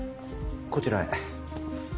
こちらへ。